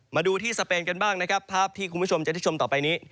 มาดูที่สเปนกันบ้างนะครับภาพที่คุณผู้ชมจะได้ชมต่อไปนี้